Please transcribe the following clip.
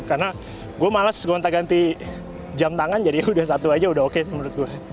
karena gue males gonta ganti jam tangan jadi ya udah satu aja udah oke menurut gue